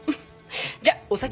じゃあお先。